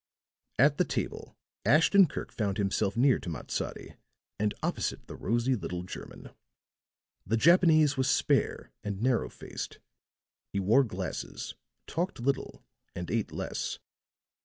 At the table Ashton Kirk found himself near to Matsadi and opposite the rosy little German. The Japanese was spare and narrow faced; he wore glasses, talked little and ate less.